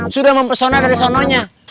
sudah mempesona dari sononya